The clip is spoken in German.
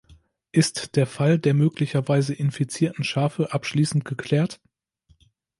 Ist der Fall der möglicherweise infizierten Schafe abschließend geklärt?